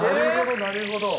なるほど。